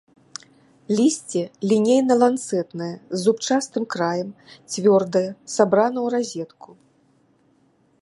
Лісце лінейна-ланцэтнае з зубчастым краем, цвёрдае, сабрана ў разетку.